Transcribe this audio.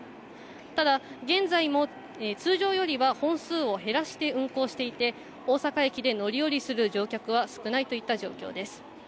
ただ、現在も通常よりは本数を減らして運行していて、大阪駅で乗り降りする乗客は少ないといった状況です。